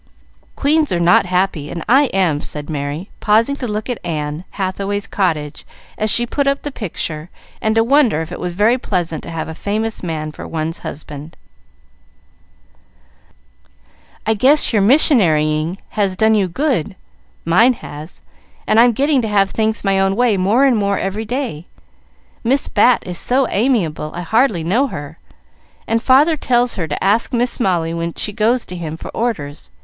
Queens are not happy, and I am," said Merry, pausing to look at Anne Hathaway's cottage as she put up the picture, and to wonder if it was very pleasant to have a famous man for one's husband. "I guess your missionarying has done you good; mine has, and I'm getting to have things my own way more and more every day. Miss Bat is so amiable, I hardly know her, and father tells her to ask Miss Molly when she goes to him for orders.